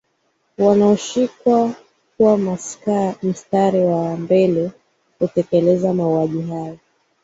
wanaoshukiwa kuwa mstari wa mbele kutekeleza mauaji hayo